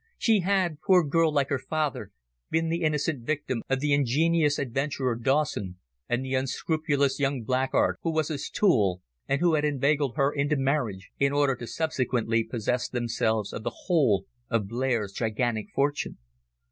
She had, poor girl, like her father, been the innocent victim of the ingenious adventurer, Dawson, and the unscrupulous young blackguard who was his tool, and who had inveigled her into marriage in order to subsequently possess themselves of the whole of Blair's gigantic fortune.